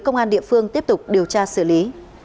công an địa phương tiếp tục điều tra xử lý